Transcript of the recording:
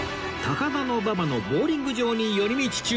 高田馬場のボウリング場に寄り道中